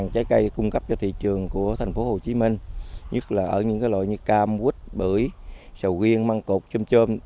trái cây cung cấp cho thị trường của thành phố hồ chí minh nhất là ở những loại như cam quýt bưởi sầu riêng măng cột chôm chôm